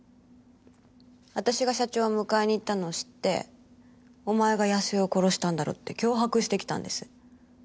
私が社長を迎えに行ったのを知ってお前が康代を殺したんだろって脅迫してきたんです。